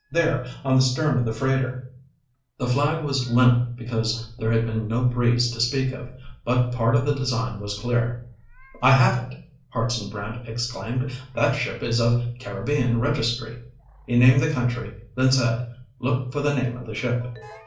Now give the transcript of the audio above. "There, on the stern of the freighter." The flag was limp because there had been no breeze to speak of, but part of the design was clear. "I have it," Hartson Brant exclaimed. "That ship is of Caribbean registry." He named the country, then said, "Look for the name of the ship."